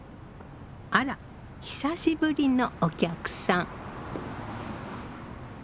あら久しぶりのお客さん。